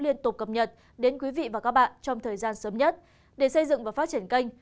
liên tục cập nhật đến quý vị và các bạn trong thời gian sớm nhất để xây dựng và phát triển kênh